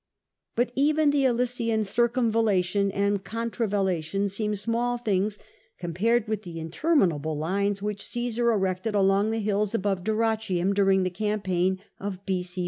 But even the Alesian circumvallation and contravallation seem small tilings compared with the C^SAR^S ACCEPTANCE OF RISKS 323 interminable lines which Caesar erected along the hills above Dyrrhachinm during the campaign of B.c.